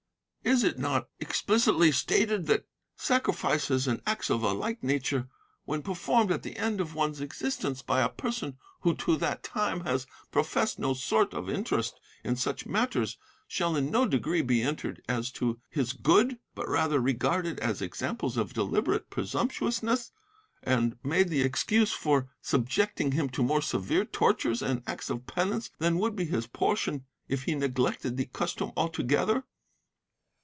'Is it not explicitly stated that sacrifices and acts of a like nature, when performed at the end of one's existence by a person who to that time has professed no sort of interest in such matters, shall in no degree be entered as to his good, but rather regarded as examples of deliberate presumptuousness, and made the excuse for subjecting him to more severe tortures and acts of penance than would be his portion if he neglected the custom altogether?